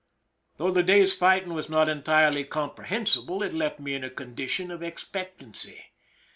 Though the day's fighting was not entirely com prehensible, it left me in a condition of expectancy.